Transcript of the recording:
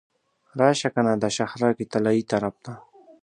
راشه کنه د شهرک طلایي طرف ته.